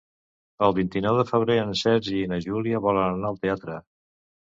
El vint-i-nou de febrer en Sergi i na Júlia volen anar al teatre.